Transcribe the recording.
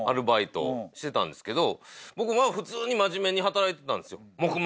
僕は普通に真面目に働いてたんですよ。